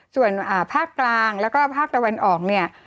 ส่วนภาคกลางแล้วก็ภาคตะวันออกเนี่ย